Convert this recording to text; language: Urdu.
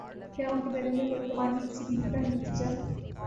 کیا ان کی بیرون ملک روانگی کسی ڈیل کا نتیجہ ہے؟